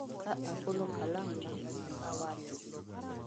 Ka agolo kalamna, awacho